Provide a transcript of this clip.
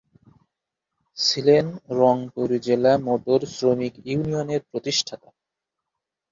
ছিলেন রংপুর জেলা মোটর শ্রমিক ইউনিয়নের প্রতিষ্ঠাতা।